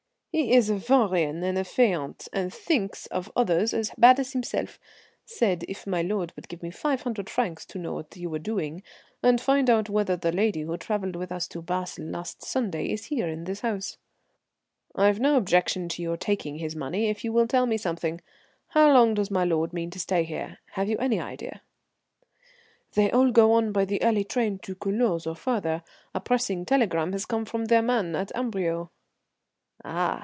"He is a vaurien and fainéant, and thinks others as bad as himself; said my lord would give me five hundred francs to know what you were doing, and find out whether the lady who travelled with us to Basle last Sunday is here in this house." "I've no objection to your taking his money if you will tell me something. How long does my lord mean to stay here? Have you any idea?" "They all go on by the early train to Culoz or farther. A pressing telegram has come from their man at Amberieu." "Ah!